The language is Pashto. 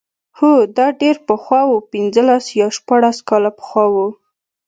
هو دا ډېر پخوا و پنځلس یا شپاړس کاله پخوا و.